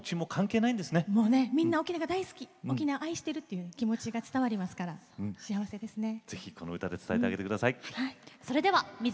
みんな沖縄が大好き沖縄愛してるっていう気持ちが伝わりますから幸せですね。